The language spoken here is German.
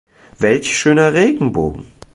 Welch schöner Regenbogen!